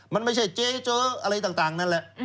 มันไม่ใช่เจ๊เจออะไรต่างนั่นแหละ